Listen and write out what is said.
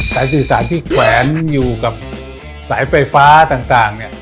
สายสื่อสารที่แขวนอยู่กับสายไฟฟ้าต่างเนี่ย